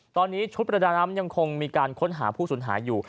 ตอนนี้ชุดประดาน้ำยังคงมีการค้นหาผู้สูญหายอยู่